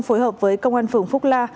phối hợp với công an phường phúc la